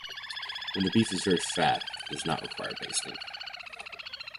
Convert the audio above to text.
When beef is very fat, it does not require basting.